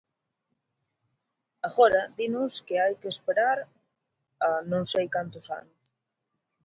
Agora dinos que hai que esperar a non sei cantos anos.